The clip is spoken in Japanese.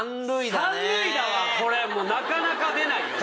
これ、なかなか出ないよ。